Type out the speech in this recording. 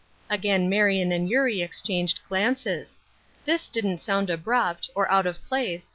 Again Marion and Euric exchanged glances. This didn't sound abrupt, or out of place.